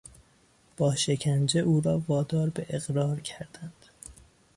با شکنجه او را وادار به اقرار کردند.